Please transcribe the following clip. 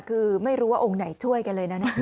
คือไม่รู้ว่าองค์ไหนช่วยกันเลยนะ